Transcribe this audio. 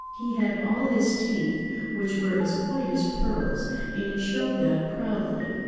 He had all his teeth, which were as white as pearls, and showed them proudly.